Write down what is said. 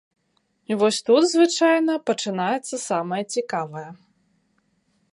І вось тут звычайна пачынаецца самае цікавае.